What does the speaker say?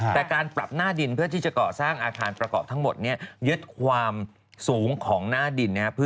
แต่การปรับหน้าดินเพื่อที่จะก่อสร้างอาคารประกอบทั้งหมด